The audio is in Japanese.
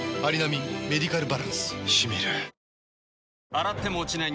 洗っても落ちない